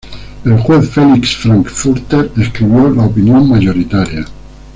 El Juez Felix Frankfurter escribió la opinión mayoritaria.